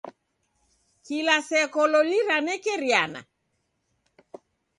Kila seko loli ranekeriana?